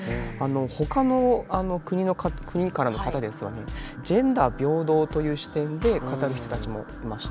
ほかの国からの方ですがジェンダー平等という視点で語る人たちもいました。